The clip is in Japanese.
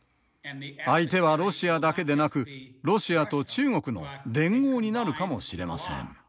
相手はロシアだけでなくロシアと中国の連合になるかもしれません。